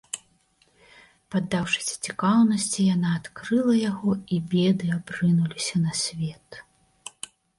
Паддаўшыся цікаўнасці, яна адкрыла яго, і беды абрынуліся на свет.